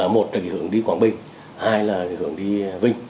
một là cái hướng đi quảng bình hai là cái hướng đi vinh